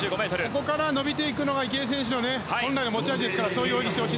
ここから伸びていくのが池江選手の本来の持ち味ですからそういう泳ぎをしてほしい。